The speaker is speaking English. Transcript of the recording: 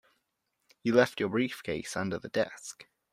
You left your briefcase under the desk.